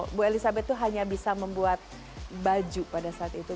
ibu elisabeth hanya bisa membuat baju pada saat itu